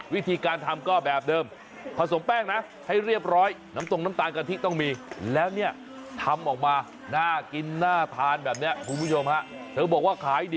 ตอนที่เธอนึ่งเธอก็นึ่งข้างเนี่ยสดใหม่อย่างนี้เลย